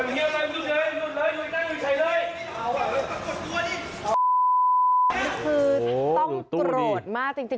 นี่คือต้องโกรธมากจริง